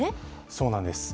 そうなんです。